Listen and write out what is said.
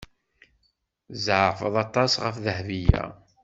Tzeɛfeḍ aṭas ɣef Dahbiya.